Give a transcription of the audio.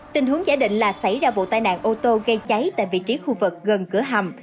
tình huống giả định là xảy ra vụ tai nạn ô tô gây cháy tại vị trí khu vực gần cửa hầm